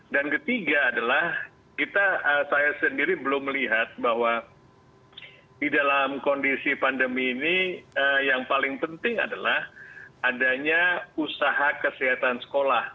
dan ketiga adalah kita saya sendiri belum melihat bahwa di dalam kondisi pandemi ini yang paling penting adalah adanya usaha kesehatan sekolah